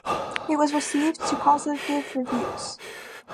It was received to positive reviews.